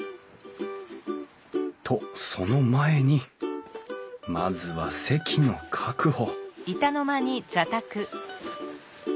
とその前にまずは席の確保